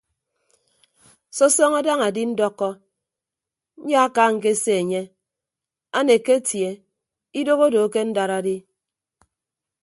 Sọsọñọ daña adindọkọ nyaaka ñkese enye aneke atie idoho odo akendad adi.